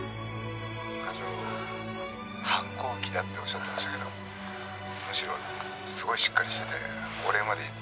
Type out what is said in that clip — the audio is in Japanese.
「課長反抗期だっておっしゃってましたけどむしろすごいしっかりしててお礼まで言ってもらえて」